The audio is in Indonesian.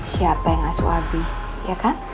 siapa yang asuh abi ya kan